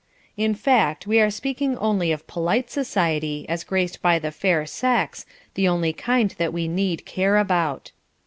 In fact, we are speaking only of polite society as graced by the fair sex, the only kind that we need care about.